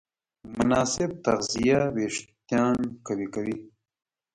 مناسب تغذیه وېښتيان قوي کوي.